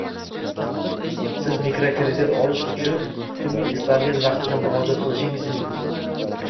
Siz mikrokredit olish uchun kunning istalgan vaqtida murojaat qilishingiz mumkin